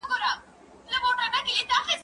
زه به سبا زدکړه کوم،